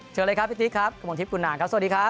เชิญเลยครับพี่ติ๊กครับกระมวลทิพย์คุณนางครับสวัสดีครับ